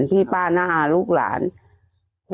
ส่วนที่วัดสุวรรณรัตนารามหรือวัดแครร้ายนะคะ